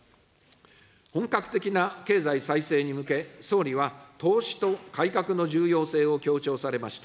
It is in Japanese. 本格的な経済再生に向け、総理は、投資と改革の重要性を強調されました。